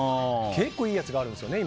結構いいやつがあるんですよね